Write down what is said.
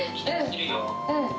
うん。